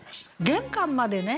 玄関までね